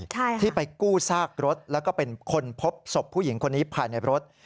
ใช่ค่ะที่ไปกู้ซากรถแล้วก็เป็นคนพบศพผู้หญิงคนนี้ภายในรถ